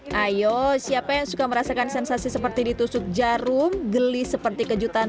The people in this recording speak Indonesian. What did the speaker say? hai ayo siapa yang suka merasakan sensasi seperti ditusuk jarum gelis seperti kejutan